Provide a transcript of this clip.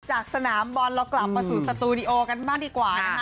จากสนามบอลเรากลับมาสู่สตูดิโอกันบ้างดีกว่านะคะ